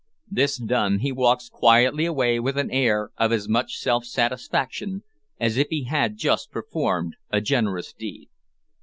This done, he walks quietly away with an air of as much self satisfaction as if he had just performed a generous deed.